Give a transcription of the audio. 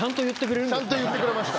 ちゃんと言ってくれました。